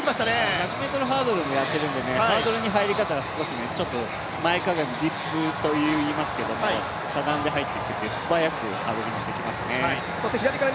１００ｍハードルもやっているので、ハードルの入り方が少し前かがみ、ディップといいますけどかがんで入って素早くハードリングしてきますね。